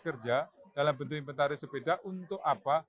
kerja dalam bentuk inventaris sepeda untuk apa